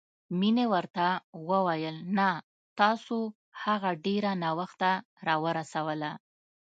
مينې ورته وويل نه، تاسو هغه ډېره ناوخته راورسوله.